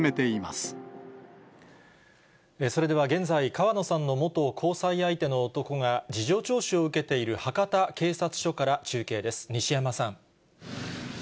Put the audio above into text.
それでは現在、川野さんの元交際相手の男が事情聴取を受けている、博多警察署から中継です、西山さん。